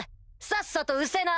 さっさとうせな！